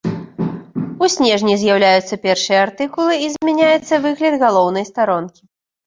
У снежні з'яўляюцца першыя артыкулы і змяняецца выгляд галоўнай старонкі.